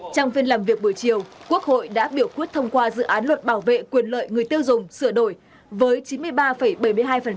trong phiên làm việc buổi chiều quốc hội đã biểu quyết thông qua dự án luật bảo vệ quyền lợi người tiêu dùng sửa đổi với chín mươi ba bảy mươi hai đại biểu có mặt biểu quyết tán thành